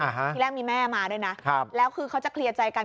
ที่แรกมีแม่มาด้วยนะครับแล้วคือเขาจะเคลียร์ใจกัน